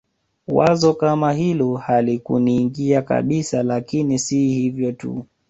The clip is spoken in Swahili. Wazo kama hilo halikuniingia kabisa Lakini si hivyo tu